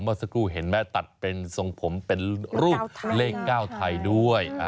เมื่อสักครู่เห็นไหมตัดเป็นทรงผมเป็นรูปเลข๙ไทยด้วย